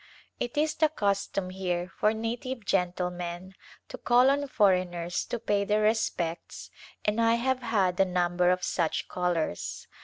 It is the custom here for native gentlemen to call on foreigners to pay their respects and I have had a number of such callers.